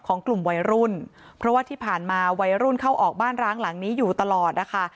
ของกลุ่มวัยรุ่นเพราะว่าที่ผ่านมาวัยรุ่นเข้าออกบ้านร้างหลังนี้อยู่ตลอดนะคะ